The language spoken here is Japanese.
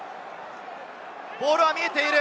ボールは見えている！